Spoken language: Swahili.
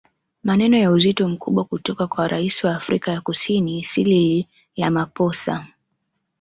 Maneno ya uzito mkubwa kutoka kwa Rais wa Afrika ya Kusini Cyril Ramaphosa